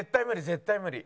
絶対無理。